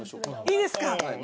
いいですか？